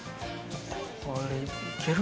これいける？